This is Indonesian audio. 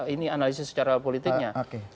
ini analisis secara politiknya